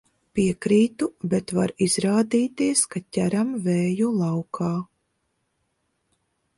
Piekrītu, bet var izrādīties, ka ķeram vēju laukā.